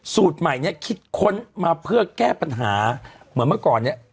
สูตรใหม่เนี่ยคิดค้นมาเพื่อแก้ปัญหาเหมือนเมื่อก่อนเนี้ย